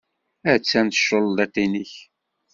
Attan tculliḍt-nnek.